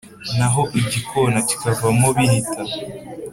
naho igikona kikavoma bihita.